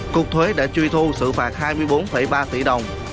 cục thuế đã truy thu xử phạt hai mươi bốn ba tỷ đồng